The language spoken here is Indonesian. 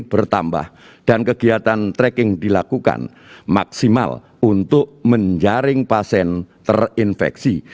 bertambah dan kegiatan tracking dilakukan maksimal untuk menjaring pasien terinfeksi